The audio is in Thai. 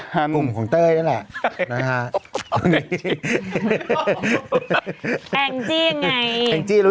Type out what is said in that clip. แต่ของเต๋ยนั้นแหละ